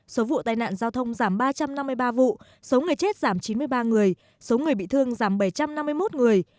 số vụ tai nạn giao thông giảm ba trăm năm mươi ba vụ số người chết giảm chín mươi ba người số người bị thương giảm bảy trăm năm mươi một người